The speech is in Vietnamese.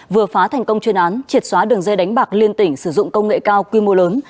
vừa phá thành công chuyên án triệt xóa đường dây đánh bạc liên tỉnh sử dụng công nghệ cao quy mô lớn